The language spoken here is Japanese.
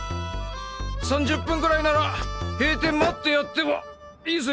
３０分ぐらいなら閉店待ってやってもいいぜ。